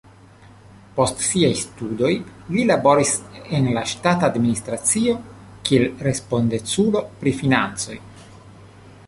Post siaj studoj li laboris en la ŝtata administracio kiel respondeculo pri financoj.